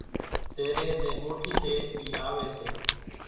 تيرين زين ڳوٺِي سي اِي آوي سي